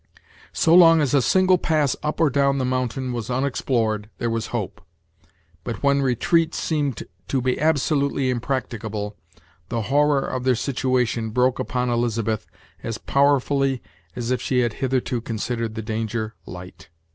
So long as a single pass up or down the mountain was unexplored, there was hope: but when retreat seemed to be absolutely impracticable, the horror of their situation broke upon Elizabeth as powerfully as if she had hitherto considered the danger light.